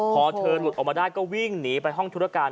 พอเธอหลุดออกมาได้ก็วิ่งหนีไปห้องธุรการ